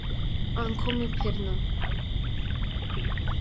آنکھوں میں پھرنا